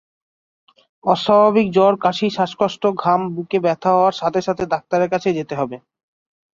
অস্বাভাবিক জ্বর, কাশি, শ্বাসকষ্ট, ঘাম, বুকে ব্যথা হওয়ার সাথে সাথে ডাক্তারের কাছে যেতে হবে।